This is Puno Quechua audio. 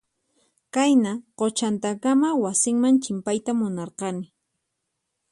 Qayna quchantakama wasinman chimpayta munarqani.